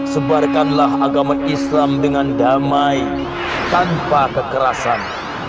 sebarkanlah agama islam dengan damai tanpa kekerasan